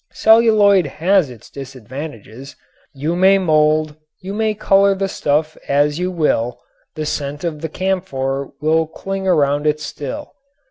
Celluloid has its disadvantages. You may mold, you may color the stuff as you will, the scent of the camphor will cling around it still.